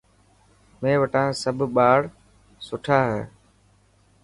مين وٽان سڀ ٻار سٺا هي.